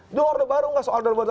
itu order baru nggak soal order baru